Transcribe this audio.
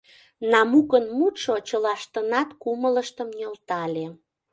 Намукын мутшо чылаштынат кумылыштым нӧлтале.